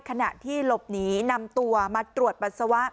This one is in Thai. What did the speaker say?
ขณะที่หลบหนีนำตัวมาตรวจปัสสาวะ